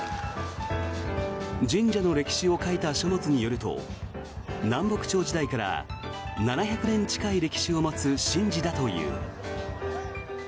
神社の歴史を書いた書物によると南北朝時代から７００年近い歴史を持つ神事だという。